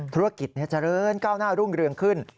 ธุรกิจเจริญก้าวหน้ารุ่งเรืองขึ้น